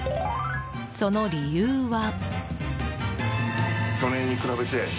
その理由は。